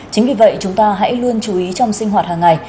chính vì vậy chúng ta hãy luôn chú ý trong sinh hoạt hàng ngày